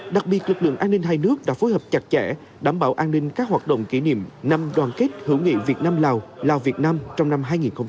đặc biệt lực lượng an ninh hai nước đã phối hợp chặt chẽ đảm bảo an ninh các hoạt động kỷ niệm năm đoàn kết hữu nghị việt nam lào lào việt nam trong năm hai nghìn hai mươi ba